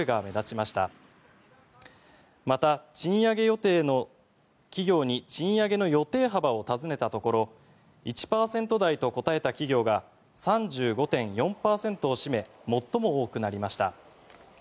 また、賃上げ予定の企業に賃上げの予定幅を尋ねたところ１％台と答えた企業が３５．４％を占め最も多くなりました。